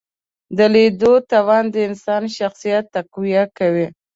د لیدلو توان د انسان شخصیت تقویه کوي